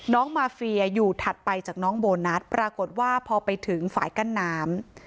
น้องมาเฟียอยู่ถัดไปจากน้องโบนัสปรากฏว่าพอไปถึงฝ่ายกั้นน้ำ